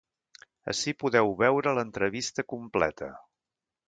Ací podeu veure l’entrevista completa.